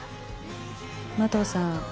麻藤さん